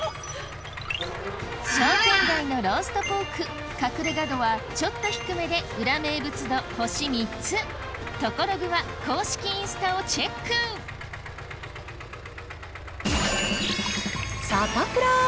商店街のローストポーク隠れ家度はちょっと低めで裏名物度トコログは公式インスタをチェックサタプラ。